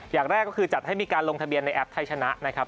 อย่างแรกก็คือจัดให้มีการลงทะเบียนในแอปไทยชนะนะครับ